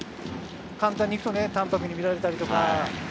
簡単にいくと淡白に見られたりとか。